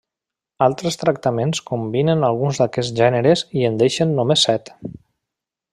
Altres tractaments combinen alguns d'aquests gèneres i en deixen només set.